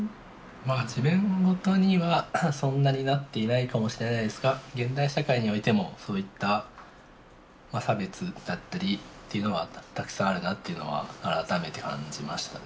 まあ自分事にはそんなになっていないかもしれないですが現代社会においてもそういった差別だったりというのはたくさんあるなというのは改めて感じましたね。